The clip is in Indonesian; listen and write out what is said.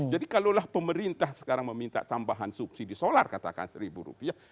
jadi kalau lah pemerintah sekarang meminta tambahan subsidi solar katakan seribu rupiah